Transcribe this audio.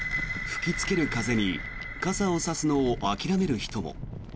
吹きつける風に傘を差すのを諦める人も。